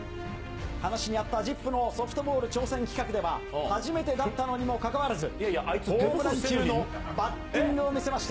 話にあったＺＩＰのソフトボール挑戦企画では、初めてだったのにもかかわらず、ホームラン級のバッティングを見せまして。